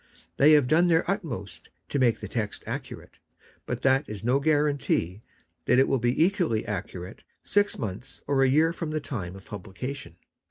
They have done their utmost to make the text accurate ; but that is no guarantee that it will be equally accurate six months or a year from the time of publication.